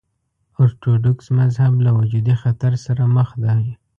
ارتوډوکس مذهب له وجودي خطر سره مخ دی.